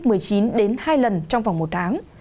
covid một mươi chín đến hai lần trong vòng mùa tráng